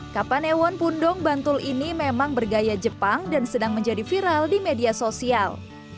kapanewon pundong bantul ini memang bergaya jepang dan sedang menjadi viral di media sosial